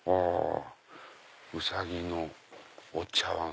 ウサギのお茶わん